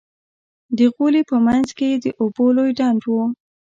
د غولي په منځ کښې يې د اوبو لوى ډنډ و.